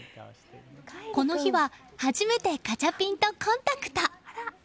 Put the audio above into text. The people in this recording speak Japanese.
この日は初めてガチャピンとコンタクト。